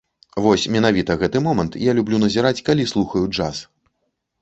Вось менавіта гэты момант я люблю назіраць, калі слухаю джаз.